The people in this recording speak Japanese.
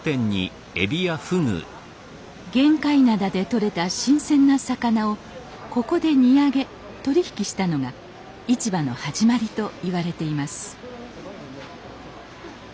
玄界灘でとれた新鮮な魚をここで荷揚げ取り引きしたのが市場の始まりといわれています